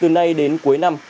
ngay đến cuối năm